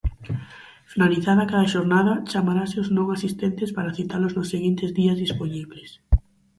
Finalizada cada xornada, chamarase os non asistentes para citalos nos seguintes días dispoñibles.